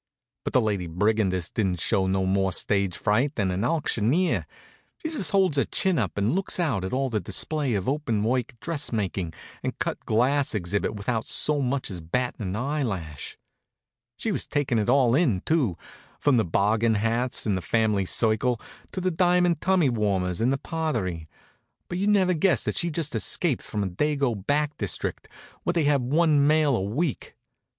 But the Lady Brigandess didn't show no more stage fright than an auctioneer. She just holds her chin up and looks out at all that display of openwork dressmaking and cut glass exhibit without so much as battin' an eyelash. She was takin' it all in, too, from the bargain hats in the fam'ly circle, to the diamond tummy warmers in the parterre, but you'd never guessed that she'd just escaped from a Dago back district where they have one mail a week.